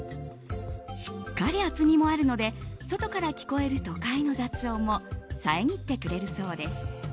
しっかり厚みもあるので外から聞こえる都会の雑音もさえぎってくれるそうです。